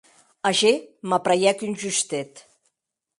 Ager m’apraièc un justet.